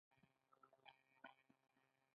خو موږ پوهېږو د توکو ارزښت کله زیاتېږي